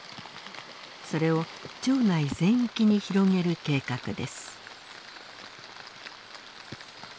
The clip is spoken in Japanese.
それを町内全域に広げる計画です。